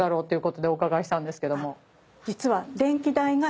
実は。